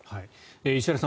石原さん